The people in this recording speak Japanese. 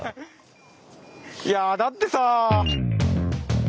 いやだってさ。